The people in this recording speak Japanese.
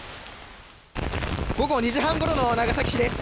午後２時半ごろの長崎市です。